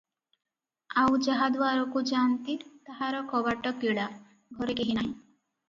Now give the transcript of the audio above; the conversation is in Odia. ଆଉ ଯାହା ଦୁଆରକୁ ଯା'ନ୍ତି, ତାହାର କବାଟ କିଳା, ଘରେ କେହି ନାହିଁ ।